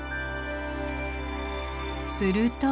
すると。